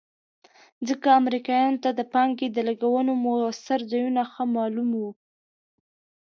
ځکه امریکایانو ته د پانګې د لګولو مؤثر ځایونه ښه معلوم وو.